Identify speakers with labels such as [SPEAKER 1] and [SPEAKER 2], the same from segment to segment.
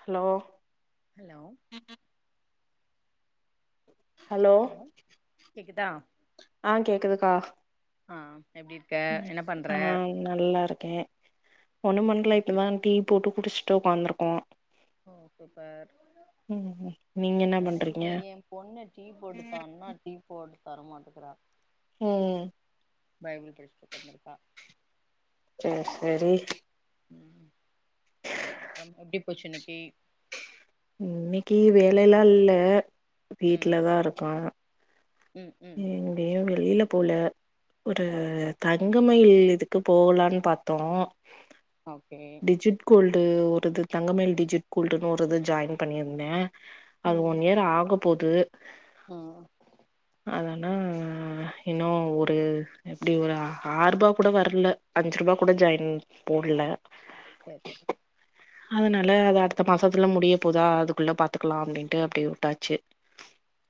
[SPEAKER 1] Hello
[SPEAKER 2] hello
[SPEAKER 1] hello
[SPEAKER 2] கேக்குதா
[SPEAKER 1] ஆஹ் கேக்குதுக்கா
[SPEAKER 2] ஆஹ்
[SPEAKER 1] ஆஹ நல்லா இருக்கே ஒண்ணுபண்ணல
[SPEAKER 2] ம்
[SPEAKER 1] இப்பதா டீ போட்டு குடிச்சுட் டு உக்காந்துருக்கோ
[SPEAKER 2] ஓ சூப்பர்
[SPEAKER 1] ம் நீங்க என்ன பண்றீங்க
[SPEAKER 2] எனக்கிங்க ஏ பொண்ணு டீ போடுத்தான்னா டீ போட தரமாட்டிக்குறா
[SPEAKER 1] ம்
[SPEAKER 2] பைபிள் படிச்சுட்டு உக்காந்துருக்கா
[SPEAKER 1] சேரி சேரி
[SPEAKER 2] உம் எ எப்படி போச்சு இன்னைக்கு
[SPEAKER 1] இன்னைக்கு வேலைல்லா இல்ல
[SPEAKER 2] ம்
[SPEAKER 1] வீட்டு்லதா இருக்கோ
[SPEAKER 2] ம் ம்
[SPEAKER 1] எங்கயும் வெளி போல ஒரு
[SPEAKER 2] ஓகே
[SPEAKER 1] தங்கமயில் இ க்கு போலான்னு பாத்தோ
[SPEAKER 2] ஓகே
[SPEAKER 1] ட்டு ஒருது தங்கமயில் டிஜிட் கோல்டுனு ஒரு இது ஜாயின் பண்ணிர்ன அது ஒன் இயர் ஆகு போது
[SPEAKER 2] ஆஹ்
[SPEAKER 1] அதனா இன்னு ஒரு எப்டி ஒரு ஆற் ரூபா கூட வர்ல அஞ்சு ரூபா கூட ஜாயின் போடல
[SPEAKER 2] தேர்
[SPEAKER 1] அதனால அது அடுத்த மாசத்துல முடிய போதா அதுக்குள்ள பாத்துக்கலா அப்டின்ட்டு அப்டி உட்டாச்சு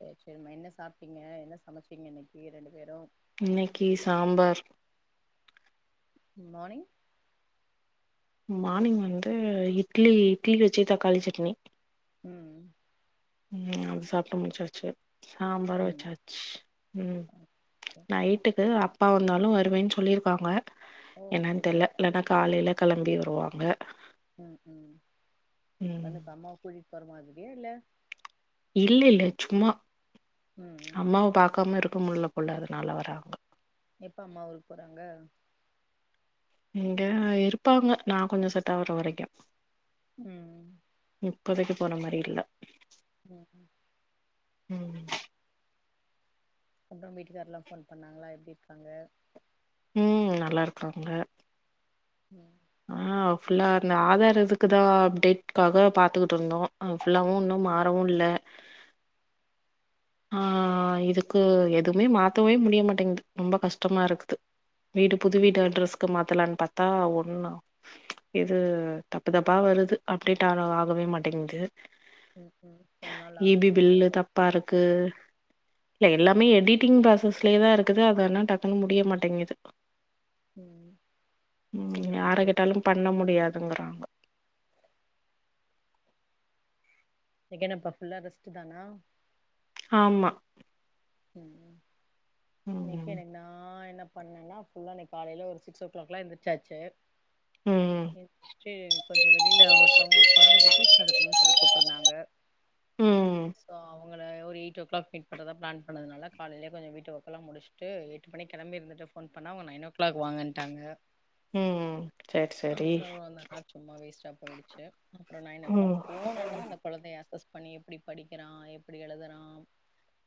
[SPEAKER 2] சேரி சேரிம்மா என்ன சாப்பிடீக என்ன சமச்சேங்க இன்னக்கி ரெண்டு பேரு
[SPEAKER 1] இன்னைக்கி சாம்பார்
[SPEAKER 2] மானிங்
[SPEAKER 1] மானிங் வந்து இட்லி இட்லி வச்சி தக்காளி சட்னி
[SPEAKER 2] ம்
[SPEAKER 1] உம் அது சாப்டு முடிசாச்சு சாம்பார்
[SPEAKER 2] ம்
[SPEAKER 1] வச்சாச் உம் நைட்டுக்கு அப் அப்பா வந்தாலு வருவேன் சொல்லியிருப்பாங்க
[SPEAKER 2] ஓ
[SPEAKER 1] என்னன் தெர்ல
[SPEAKER 2] சூப்பர்
[SPEAKER 1] ல்லடா காலே களம்பி வருவாக
[SPEAKER 2] ம் ம்
[SPEAKER 1] ம்
[SPEAKER 2] வந்து இப்ப அம்மாயுகு ஒருமாதிரியே இல்ல
[SPEAKER 1] இல்ல இல்ல சும்மா
[SPEAKER 2] ம்
[SPEAKER 1] அம்மாவ பாக்காம இரு முடில போல அதனால வராங்க
[SPEAKER 2] எப்போ அம்மா ஊருக்கு போறாங்க
[SPEAKER 1] இங்க இருப்பாங்க நா கொஞ்சோ செட் ஆவற வரைக்கும்
[SPEAKER 2] ம்
[SPEAKER 1] இப்போதைக்கு போற மாரி இல்ல
[SPEAKER 2] ம்
[SPEAKER 1] உம்
[SPEAKER 2] அப்றோம் வீட்டுக்கார்லா ஃபோன் பண்ணாங்ளா எப்டி இருக்காங்க
[SPEAKER 1] ம் நல்லா இருக்காங்க
[SPEAKER 2] ம்
[SPEAKER 1] ஆ ஃபுல்லா அந்த ஆதார் இதுக்குதா அப்டேட்காக பாத்துக்கிட்டு இருந்தோ அங் ஃபுல்லாவு இன்னு மாறவு இல்ல ஆ இதுக்கு எதுவுமே மாத்தவே முடிய மாட்டேங்து ரொம்ப கஷ்டமா இருக்குது வீடு புது
[SPEAKER 2] ம்
[SPEAKER 1] வீடு அட்ரஸ்க்கு மாத்தலான் பாத் தா ஒண்ணா இது தப்பு தப்பா வருது அப்டேட்டு ஆக ஆகவே மாட்டேங்குது
[SPEAKER 2] ம் ம் கொஞ்ச நாள்
[SPEAKER 1] இ
[SPEAKER 2] ஆகும்
[SPEAKER 1] பி பில்லு
[SPEAKER 2] சரியாயிடும்
[SPEAKER 1] தப்பா இருக்கு இல்ல எல்லாமே எடிட்டிங் ப்ராசஸ்லயே தா இருக்குது அதனா டக்குனு முடிய மாட்டேங்குது
[SPEAKER 2] உம்
[SPEAKER 1] ம்
[SPEAKER 2] சீக்கரம்மா
[SPEAKER 1] யார
[SPEAKER 2] போயிடு
[SPEAKER 1] கேட்டாலு பண்ண முடியாதுங்குறாங்க
[SPEAKER 2] இன்னைக்கென்னப்பா ஃபுல்லா ரெஸ்ட் தானா
[SPEAKER 1] ஆமா
[SPEAKER 2] ம் இன்னைக்கு
[SPEAKER 1] ம்
[SPEAKER 2] எனக்கு நா என்ன பண்ணன்னா ஃபுல்லா இன்னைக்கி காலைல ஒரு சிக்ஸ் ஓ க்ளாக்லா எந்திரிச்சாச்சு
[SPEAKER 1] ம்
[SPEAKER 2] எந்துர்ச்ட்டு கொஞ்சோ வெளில ஒருத்தவுங்க ஒரு கொழந்தைக்கி ட்யூசன் எடுக்கணுனு சொல்லி கூப்ட்ருந்தாங்க
[SPEAKER 1] ம்
[SPEAKER 2] சோ அவுங்கள ஒரு எயிட்ஓ க்ளாக் மீட் பண்றதா ப்ளான் பண்ணதுனால காலைலயே கொஞ்சோ வீட்டு வர்க்லா முடிச்ட்டு எட்டு மணிக்கு கெளம்பி இருந்துட்டு ஃபோன் பண்ணா அவுங்க நைன் ஓ கிளாக் வாங்கன்ட்டாங்க
[SPEAKER 1] ம் சேரி சேரி
[SPEAKER 2] அப்புறோ அவ்ள நேர சும்மா வேஸ்ட்டா போயிடுச்சு அப்புறோ நைன் ஓ க்ளாக்
[SPEAKER 1] ம்
[SPEAKER 2] போனன்னோ அந்த கொழந்தை பண்ணி எப்டி படிக்கிறா எப்டி எழுதுறா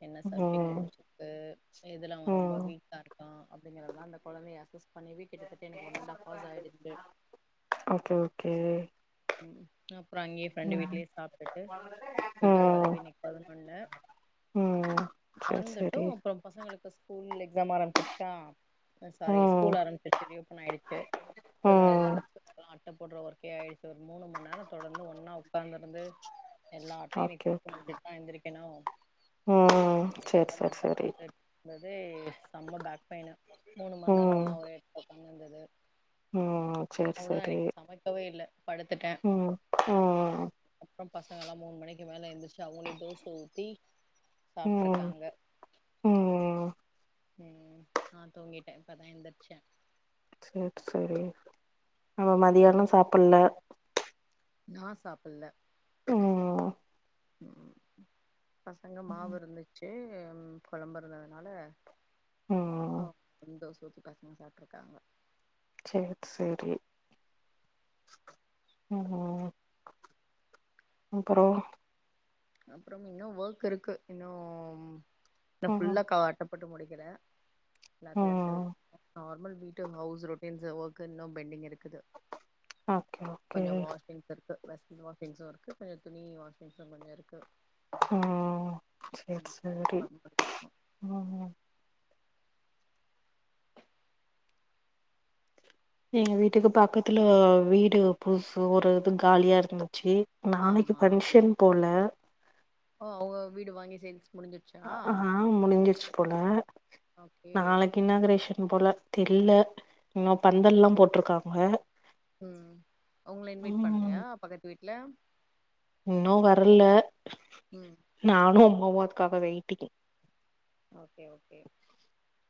[SPEAKER 2] என்ன சப்ஜெக்ட்
[SPEAKER 1] ம்
[SPEAKER 2] புடிச்சிருக்கு எதுல அவன் ரொம்ப
[SPEAKER 1] ம்
[SPEAKER 2] வீக்கா இருக்கா அப்டிங்கிறதெல்லா அந்த கொழந்தைய அசஸ் பண்ணவே கிட்டத்தட்ட எனக்கு ஒன் அன்டாஃப் ஹார்ஸ் ஆயிடுச்சு
[SPEAKER 1] ஓகே ஓகே
[SPEAKER 2] உம் அப்புறோ அங்கயே ஃப்ரெண்டு
[SPEAKER 1] ம்
[SPEAKER 2] வீட்லயே சாப்டுட்டு வீட்டுக்கு
[SPEAKER 1] ம்
[SPEAKER 2] வரவே இன்னக்கி பதனொன்னு
[SPEAKER 1] ம் சேரி சேரி
[SPEAKER 2] வந்துட்டும் அப்புறோ பசங்களுக்கு ஸ்கூல் எக்ஸாம் ஆரம்ப்சிடுச்சா சாரி
[SPEAKER 1] ம்
[SPEAKER 2] ஸ்கூல் ஆரம்சிடுச்சு ரீஓப்பன் ஆயிடுச்சு சோ
[SPEAKER 1] ம்
[SPEAKER 2] புக்குக்லா அட்ட ட போடற ஒர்க்கே ஆயிடு ஒரு மூணு மண் நேர தொடர்ந்து ஒன்னா உக்காந்துருந்து எல்லா ஆட்டையு இன்னைக்கு
[SPEAKER 1] ஓகே
[SPEAKER 2] போட்டு
[SPEAKER 1] ஓகே
[SPEAKER 2] முடிசிட்டுதா எந்திரி என்னாவ்
[SPEAKER 1] ம் சேரி சேரி
[SPEAKER 2] அட்ட
[SPEAKER 1] சேரி
[SPEAKER 2] போட்டுந்ததே செம்ம பேக் பெயின் மூணு மண் நேரம்
[SPEAKER 1] ம்
[SPEAKER 2] ஒண்ணா ஒரே எடத்துல ஒக்கா என்னந்தது
[SPEAKER 1] ம் சேரி சேரி
[SPEAKER 2] படுத்துட்ட
[SPEAKER 1] ம் ம்
[SPEAKER 2] அப்றோ பசங்கல்லா மூணு மணிக் கி மேல எந்திரிசிட்டு அவுங்களே தோச ஊத்தி
[SPEAKER 1] ம்
[SPEAKER 2] சாப்ட்ருக்காங்க
[SPEAKER 1] ம்
[SPEAKER 2] உம் நா தூங்கிட்ட இப்பதா எந்திரிச்ச
[SPEAKER 1] சேரி சேரி அவ மதியானொ சாப்பில்ல
[SPEAKER 2] நா சாப்பில்ல
[SPEAKER 1] ம்ம்ம்
[SPEAKER 2] ம் பசங்க மாவு இருந்துச் கே கொழம்பு இருந்ததுனால
[SPEAKER 1] ம்
[SPEAKER 2] ஆ சந்தோஷோ தூக்கி பசங்க சாப்ட்டுருக்காங்க
[SPEAKER 1] செரி செரி ம் அப்றோ
[SPEAKER 2] அப்றம் இன்னோ வோக் இருக்கு இன்னூ ந்த
[SPEAKER 1] ம்
[SPEAKER 2] ஃபுல்லா காட்டம் போட்டு முடிக்கிற எல்லாத்தையு எடுத்து
[SPEAKER 1] ம்
[SPEAKER 2] நார்மல் வீட்டு ஹவுஸ் ரொட் மீன்ஸ் ஓக்கு இன்னூ பெண்டிங் இருக்
[SPEAKER 1] ஓக்கே ஓக்கே
[SPEAKER 2] வெஸில் வாஷிங்ஸூ இருக்கு [unintelligible] துணி வாஷிங்ஸூ கொஞ்சோ இருக்
[SPEAKER 1] ம்
[SPEAKER 2] ம்
[SPEAKER 1] செர்சேரி ம் எங்க வீட்டுக்கு பக்கத்துல வீடு புதுசு ஒரு இது காலியா இருந்துச்சு நாளைக்கு
[SPEAKER 2] ஆமா
[SPEAKER 1] பங்க்ஷன் போல
[SPEAKER 2] ஓ அவுங்க வீடு வாங்கி சேல்ஸ் முடிஞ்சிருச்சா
[SPEAKER 1] ஆ முடிஞ்சிருச்சு போல
[SPEAKER 2] ஓகே
[SPEAKER 1] நாளைக்கு இனாகிரேஷன் இ போல தெரில ணோ
[SPEAKER 2] ம்
[SPEAKER 1] பந்தல்லா போட்ருக்கா
[SPEAKER 2] ம் உங்ள இன்வைட் பண்லையா பக்கத்து வீட் இல
[SPEAKER 1] ன்னோ வர்ல
[SPEAKER 2] ம்
[SPEAKER 1] நானோ [unintelligible] வெய்ட்டிங்
[SPEAKER 2] ஓகே ஓகே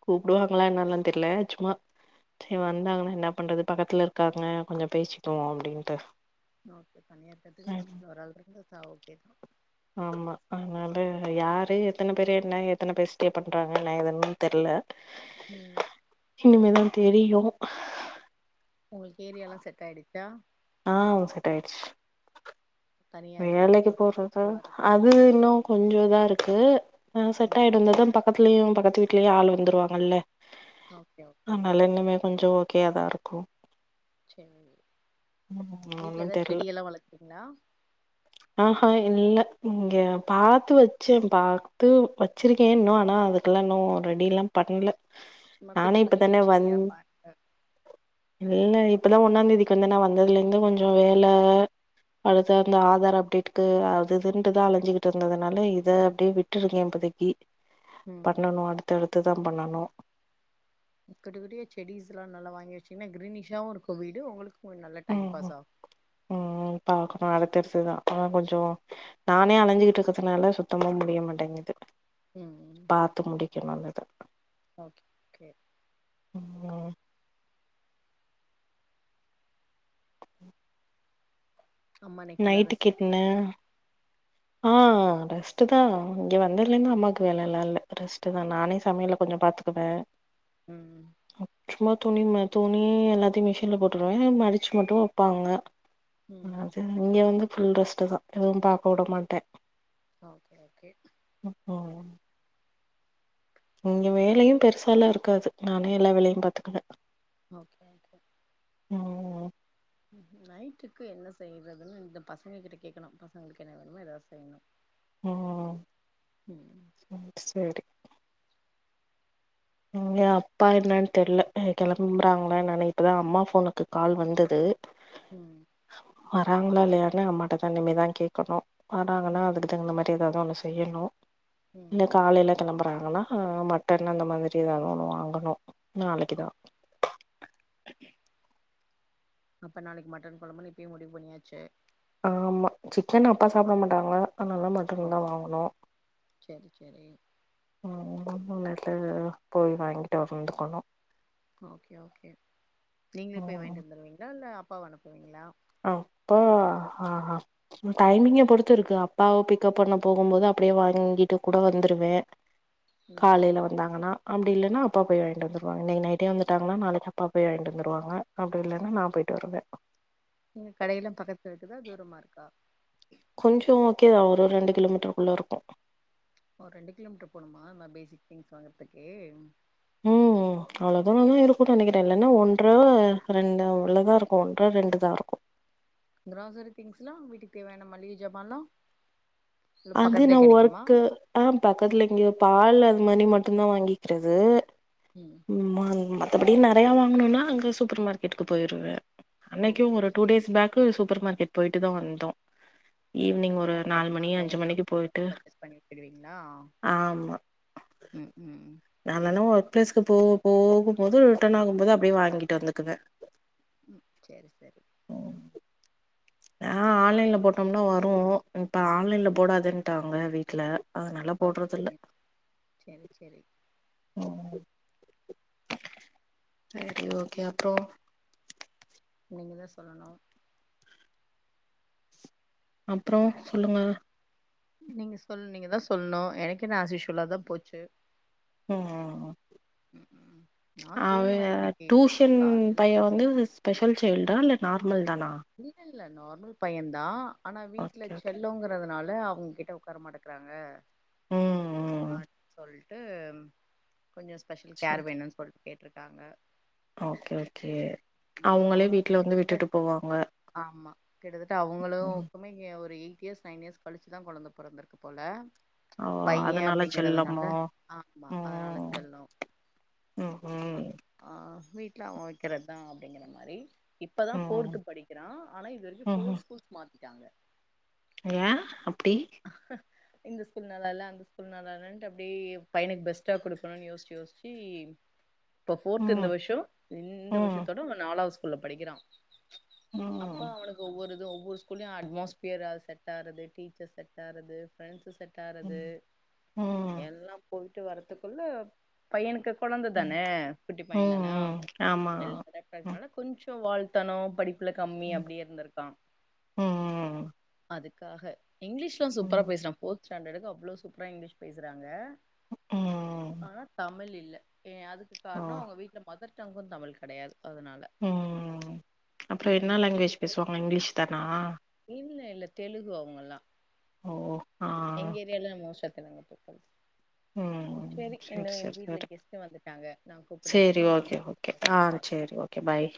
[SPEAKER 1] கூப்டுவாங்ளா என்னலா தெர்ல சும்மா சே வந்தாங்கன்னா என்ன பண்றது பக்கத்ல இருக்காங்க கொஞ்சோ பேசிக்குவோ அப்டின்ட்டு
[SPEAKER 2] ஓகே தனியாற்கர்துக்கு பக்கத்ல வராள் இருந்த சா ஓகே தா
[SPEAKER 1] ஆம்மா அனால யாரு எத்தன பேரு என்ன எத்தன பெஸ்டி பண்றாங்க ந எதுன் தெர்ல
[SPEAKER 2] ம்
[SPEAKER 1] இனிமேதா தெரியோ
[SPEAKER 2] உங்கள்க் ஏரியாலா செட் ஆயிடுச்சா
[SPEAKER 1] ஆ செட் அய்ட்ச்
[SPEAKER 2] தனியா
[SPEAKER 1] வேலைக்கு
[SPEAKER 2] இருக்கறதுக்கு
[SPEAKER 1] போறது
[SPEAKER 2] போறதுக்கு வர்றது
[SPEAKER 1] அது இன்னோ கொஞ்சோ தா இருக் கு ஆ செட்
[SPEAKER 2] ம்
[SPEAKER 1] அய்டோ இந்ததா பக்கத் வீட்லயு பக்கத்து வீட்லயு ஆள் வந்துருவாங்கல்ல
[SPEAKER 2] ஓகே ஓகே
[SPEAKER 1] கொஞ்சொ ஓகேயாதா இருக்கு
[SPEAKER 2] சேரி
[SPEAKER 1] ம்
[SPEAKER 2] வீட்ல
[SPEAKER 1] ஒன்னு
[SPEAKER 2] எதா
[SPEAKER 1] தெர்ல
[SPEAKER 2] செடியெல்லா வளத் ங்ளா
[SPEAKER 1] ஆஹா இல்ல இங்க பாத்து வச்சே பாத்து வச்சிருக்கே இன்னு ஆனா அதுக்குல்லா இன்னு ரெடில்லா பண்ல
[SPEAKER 2] சும்மா
[SPEAKER 1] நானே
[SPEAKER 2] குட்டிக் குட்டி
[SPEAKER 1] இப்பதானே
[SPEAKER 2] செடியா
[SPEAKER 1] வந்
[SPEAKER 2] பாத்த
[SPEAKER 1] இல்ல இப்பதா ஒன்னாந்தேதிக்கு வந்தனா வந்ததுலேந்து கொஞ்சொ வேல அடுத்து அந்த ஆதார அப் டேட்க்கு அது இதுன்ட்டுதா அலஞ்சிக்கிட்ருந்ததுனால இத அப்டியே விட்டுருங்க இப்பதிக்கி
[SPEAKER 2] ம்
[SPEAKER 1] பண்ணணு அடுத்தடுத் துதா பண்ணணு
[SPEAKER 2] குட்டி குட்டியா செடீஸ்ல்லா நல்லா வாங்கி வச்சீங்கன்னா கிரீனிஷாவு இருக்கு வீடு உங்களுக்கு கு நல்லா டயம்பாஸ் ஆகு
[SPEAKER 1] அ அடுத்தடுத்துதா ஆ கொஞ்சொ நானே அழஞ்சிக்கிட்ருக்குறதுனால சுத்தமா முடிய மாட்டேங்குது
[SPEAKER 2] ம் ம்
[SPEAKER 1] கே நல்லதா
[SPEAKER 2] ஓகே ஓகே
[SPEAKER 1] ம்
[SPEAKER 2] அம்மானை குள்ளார ரெஸ்ட்
[SPEAKER 1] நைட்டுக்கு என்ன
[SPEAKER 2] எடுத்தாக்க
[SPEAKER 1] ஆ ரெஸ்ட்டுதா இங்க வந்ததுலேந்து அம்மாவுக்கு வேலேலா இல்ல ரெஸ்ட்டுதா நானே சமையல கொஞ்சொ பாத்துக்குவே
[SPEAKER 2] உம் ம்
[SPEAKER 1] சும்மா துணி ம துணி எல்லாத்தையு மிஷின்ல போட்ருவே மடிச்சி மட்டு வெப்பாங்க
[SPEAKER 2] ம்
[SPEAKER 1] என்னாது இங்க வந்து ஃபுல் ரெஸ்ட்டுதா எதுவு பாக்க உட மாட் ட
[SPEAKER 2] ஓகே ஓகே
[SPEAKER 1] ம் இங்க வேலையு பெருசாலா இருக்காது நானே எல்லா வேலையு பாத்துக்குவே
[SPEAKER 2] ஓகே கே
[SPEAKER 1] ம்
[SPEAKER 2] நைட்டுக்கு என்ன செய்றதுன்னு இந்த பசங்கக்கிட்ட கேக்கணு பசங்களுக்கு என்ன வேணுமோ எதாவ் செய்ணு
[SPEAKER 1] ஓ சேர் சேரி இங்க அப்பா என்னான் தெர்ல கெளம்புறாங்களா என்னான்னே இப்பதா அம்மா ஃபோனுக்கு கால் வந்தது
[SPEAKER 2] ம்
[SPEAKER 1] வராங்களா இல்லையானு அம்மாட்டதா இனிமேதா கேக்கணு வராங்கனா
[SPEAKER 2] ம்
[SPEAKER 1] அதுக்கு தகுந்தமா எதாது ஒன்னு செய்யணு இல்ல
[SPEAKER 2] ம்
[SPEAKER 1] காலைல கெளம்ப றாங்கனா மட்டனு அந்த மாதி எதனாலு ஒன்னு வாங்கணு நாளைக்குதா
[SPEAKER 2] அப்ப நாளைக்கு மட்டன் கொழம்புனு இப்பயே முடிவு பண்ணியாச்சு
[SPEAKER 1] ஆமா சிக்கன் அப்பா சாப்ட மாட்டாங்க அதுனால
[SPEAKER 2] ஓ
[SPEAKER 1] மட்டன் தா வாங்கணு
[SPEAKER 2] செரி செரி
[SPEAKER 1] [unintelligible] போய் வாங்கிட்டு வந்துக்கணு
[SPEAKER 2] ஓகே ஓகே நீங்களே போய்
[SPEAKER 1] ம்
[SPEAKER 2] வாங்கிட்டு வந்துருவீங்களா இல்ல அப் அப்பாவ அனுப்புவீங்ளா
[SPEAKER 1] அப்பா அஹா டைமிங்க பொறுத்து இருக்கு அப்பாவ பிக்கப் பண்ண போகும் போது அப்படியே வாங்கிட்டு கூட வந்துருவே
[SPEAKER 2] ம்
[SPEAKER 1] காலைல வந்தாங்கன்னா அப்டி இல்லனா அப்பா போய் வாங்கிட்டு வந்துருவாங்க இன்னைக்கு நைட்டே வந்துட்டாங்கனா நாளைக்கு அப்பா போய் வாங்கிட்டு வந்துருவாங்க அப்டி இல்லனா நா போயிட்டு வருவே
[SPEAKER 2] நீங்க கடையெல்லா பக்கத்துல இருக்குதா தூரமா இருக்கா
[SPEAKER 1] கொஞ்சோ ஓகே தா ஒரு ரெண்டு கிலோமீட்டருக்குள்ள இருக்கும்
[SPEAKER 2] ஓ ரெண்டு கிலோமீட்ரு போணுமா நா பேசிக் திங்ஸ் வாங்கறதுக்கே
[SPEAKER 1] ம்ம் அவ்ளோ தூரம் தா இருக்கும்னு நெனைக்கிறே இல்லன்னா ஒன்ற ரெண்டு அவ்ளதா இருக்கும் ஒன்ற ரெண்டுதா இருக்கும்
[SPEAKER 2] கிராசரி திங்ஸ்லா வீட்டுக்கு தேவையான மளிகை ஜாமான்லா இல்ல
[SPEAKER 1] அது நா
[SPEAKER 2] பக்கத்துலயே கெடைக்குமா
[SPEAKER 1] ஒர்க்கு ஆஹ் பக்கத்துல இங்கயே பால் அது மணி மட்டு தா வாங்கிக்கறது ம் [unintelligible] மத்தபடி நெறையா வாங்கணும்னா அங்க சூப்பர் மார்க்கெட்டுக்கு போயிருவேன் அன்னைக்கும்
[SPEAKER 2] ஓகே
[SPEAKER 1] ஒரு two
[SPEAKER 2] okay
[SPEAKER 1] days back super market போய்ட்டு தான் வந்தோம் ஈவ்னிங் ஒரு
[SPEAKER 2] ஓ
[SPEAKER 1] நாலு
[SPEAKER 2] மொத்தமா
[SPEAKER 1] மணி
[SPEAKER 2] அங்க
[SPEAKER 1] அஞ்சு
[SPEAKER 2] ஒன்னா
[SPEAKER 1] மணிக்கு
[SPEAKER 2] மொத்தமா
[SPEAKER 1] போய்ட்டு
[SPEAKER 2] பர்ச்சேஸ் பண்ணி வச்சிடுவீங்களா
[SPEAKER 1] ஆஹ்
[SPEAKER 2] ம் ம்
[SPEAKER 1] [unintelligible] போ-போகும்போது ரிட்டர்ன் ஆகும் போது அப்டியே வாங்கிட்டு வந்துக்குவேன்
[SPEAKER 2] ம்ம் செரி செரி
[SPEAKER 1] ம் ஆ ஆன்லைன்ல போட்டோம்னா வரும்.. இப்ப ஆன்லைன்ல போடாதன்ட்டாங்க வீட்ல அதனால போடுறதில்ல
[SPEAKER 2] ஓக்கே ச்செரி செரி
[SPEAKER 1] சரி ஓகே அப்றம்
[SPEAKER 2] நீங்க தா சொல்லணும்
[SPEAKER 1] அப்றம் சொல்லுங்க
[SPEAKER 2] நீங்க சொல்- நீங்க தான் சொல்ணும் எனக்கென்ன அஷ்யூஸ்வலாதான் போச்சு
[SPEAKER 1] ம்ம்..
[SPEAKER 2] ம்ஹ்ம். நான்
[SPEAKER 1] அவன்
[SPEAKER 2] தூங்குனேன் இன்னைக்கு
[SPEAKER 1] டூஷன்
[SPEAKER 2] காலைல.
[SPEAKER 1] பையன் வந்து ஸ்பெ ஸ்பெஷல் சைல்டா இல்ல நார்மல் தானா?
[SPEAKER 2] இல்ல, இல்ல நார்மல் பையன் தான்.. ஆனா வீட்ல
[SPEAKER 1] ஓகே ஓகே
[SPEAKER 2] செல்லோங்கறதுனால அவுங் கிட்ட ஒக்கார மாட்டேங்கிறாங்க
[SPEAKER 1] ம் ம்
[SPEAKER 2] ஆட் சொல் ட்டு கொஞ்ஜோ ஸ்பெஷல் கேர்
[SPEAKER 1] சரி
[SPEAKER 2] வேணுனு சொல்ட் கேட் இருக்காங்க
[SPEAKER 1] ஓகே ஓகே
[SPEAKER 2] ம்
[SPEAKER 1] அவுங்களே
[SPEAKER 2] அவனும்
[SPEAKER 1] வீட்ல வந்து
[SPEAKER 2] கிட்டத்தட்ட
[SPEAKER 1] விட்டுட்டு போவாங்க
[SPEAKER 2] ஆமா கிட்டத்தட்ட
[SPEAKER 1] ம்
[SPEAKER 2] அவுங்களுக்குமோ இங்க ஒரு எயிட் இயர்ஸ் நைன் இயர்ஸ் கழிச்சிதா கொழந்த பொறந்துருக்கு போல
[SPEAKER 1] ஓ
[SPEAKER 2] பையே
[SPEAKER 1] அதனால
[SPEAKER 2] அப்டிங்கறதுனால
[SPEAKER 1] செல்லமோ
[SPEAKER 2] ஆமா அதனால
[SPEAKER 1] ம்
[SPEAKER 2] செல்லோ
[SPEAKER 1] ம் ம்
[SPEAKER 2] ஆ வீட்ல அவெ வெக்கறது தா அப்டிங்கற மாரி இப்பதா
[SPEAKER 1] ம்
[SPEAKER 2] ஃபோர்த்து படி ஆ ஆனா இதுவரைக்கு ஃபோர்
[SPEAKER 1] ம்ஹூம்
[SPEAKER 2] ஸ்கூல் மார்க் விட்டாங்க
[SPEAKER 1] ஏ அப்டி
[SPEAKER 2] இந்த ஸ்கூல் நல்லால அந்த ஸ்கூல் நல்லாலன்ட்டு அப்டியே பையனுக்கு பெஸ்ட்டா குடுக்கணுனு யோஷ்ச்சி யோஷ்ச்சி இப்ப ஃபோர்த்
[SPEAKER 1] ம்
[SPEAKER 2] இந்த வருஷோ இந்த
[SPEAKER 1] ம்
[SPEAKER 2] வருஷத்தோட நாலாது ஸ்கூ உள்ள படிக்கிறா
[SPEAKER 1] ம்
[SPEAKER 2] அப்பா
[SPEAKER 1] ம்
[SPEAKER 2] அவனுக்கு ஒவ்வொரு ஒவ்வொரு ஸ்கூல்லயு அட்மாஸ்பியராது செட் ஆறது டீச்சர்ஸ் செட்றாது ஃப்ரெண்ஸஷ் செட்றாது
[SPEAKER 1] ம் ம்
[SPEAKER 2] எல்லா பொயிட்டு வரதுக்குள்ள பையனுக்கு கொழந்த தானே குட்டி பையே
[SPEAKER 1] ம்
[SPEAKER 2] தானே
[SPEAKER 1] ம் ஆமா
[SPEAKER 2] எல்லா
[SPEAKER 1] ம்
[SPEAKER 2] [inaudible] கொஞ்ஜோ வாழ்த்தனு படிப் உள்ள கம்மி
[SPEAKER 1] ம்
[SPEAKER 2] அப்டியே இருந்துருக்கா
[SPEAKER 1] ம்
[SPEAKER 2] அதுக் க்காக இங்லீஷ்லா சூப்பரா
[SPEAKER 1] ம்
[SPEAKER 2] பேஷ்றா போ ஸ்டேண்டடுக்கு அவ்ளோ சூப்பரா இங்லீஷ் பேசுறாங்க
[SPEAKER 1] ஓ
[SPEAKER 2] ஆனா தமிழில் இல்ல அதுக்கு காரணோ அவங்க வீட்ல மதர் அங்கும் தமிழ் கெடையாது அதனால
[SPEAKER 1] உம் அப்றோ என்ன
[SPEAKER 2] ம்
[SPEAKER 1] லேங்வேஜ்
[SPEAKER 2] சரி.
[SPEAKER 1] பேசுவாங்க இங்லீஷ் தானா
[SPEAKER 2] இல்ல இல்ல தெலுகு அவுங்கல்லா
[SPEAKER 1] ஓ அ
[SPEAKER 2] எங்க ஏரியால [unintelligible] நாங்க பிரிப்பேர் [inaudible]
[SPEAKER 1] ம் சேர் சேர் சேரி
[SPEAKER 2] கெஸ்ட் வந்துட்டாங்க நா
[SPEAKER 1] சேரி
[SPEAKER 2] கூப்பிடட்டுமா
[SPEAKER 1] ஓகே ஓகே ஆ
[SPEAKER 2] பாய்
[SPEAKER 1] சேரி ஓகே பாய்